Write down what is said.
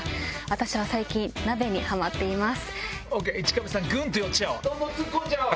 私は最近鍋にハマっています。